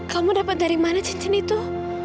kamu dapat dari mana cincin itu